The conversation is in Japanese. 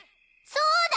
そうだ。